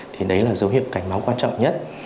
thì đấy là dấu hiệu cảnh báo quan trọng nhất